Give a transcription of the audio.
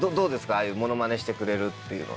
ああいうモノマネしてくれるっていうのは。